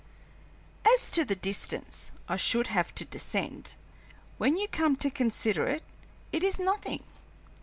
"As to the distance I should have to descend, when you come to consider it, it is nothing.